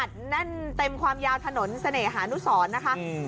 แน่นเต็มความยาวถนนเสน่หานุสรนะคะ